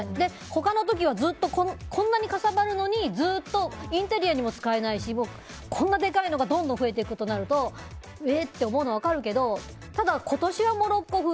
他の時はこんなにかさばるのにインテリアにも使えないしこんなでかいのがどんどん増えていくとなるとえ？って思うのはわかるけど今年はモロッコ風